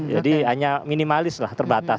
jadi hanya minimalis lah terbatas